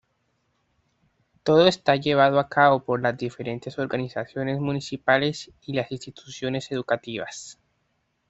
Todo esto llevado a cabo por las diferentes organizaciones municipales y las instituciones educativas.